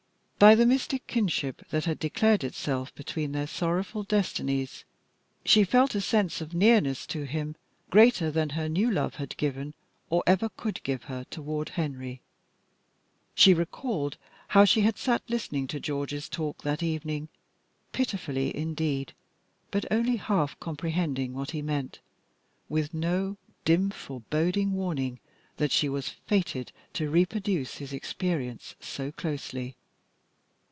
By the mystic kinship that had declared itself between their sorrowful destinies, she felt a sense of nearness to him greater than her new love had given or ever could give her toward Henry. She recalled how she had sat listening to George's talk that evening, pitifully, indeed, but only half comprehending what he meant, with no dim, foreboding warning that she was fated to reproduce his experience so closely.